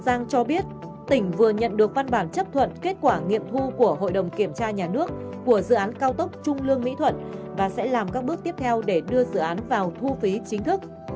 đại giang cho biết tỉnh vừa nhận được văn bản chấp thuận kết quả nghiệm thu của hội đồng kiểm tra nhà nước của dự án cao tốc trung lương mỹ thuận và sẽ làm các bước tiếp theo để đưa dự án vào thu phí chính thức